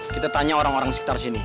kita tanya orang orang sekitar sini